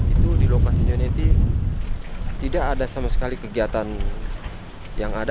itu di lokasi unity tidak ada sama sekali kegiatan yang ada